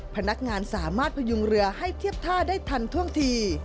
พนักงานสามารถพยุงเรือให้เทียบท่าได้ทันท่วงที